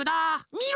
みろ！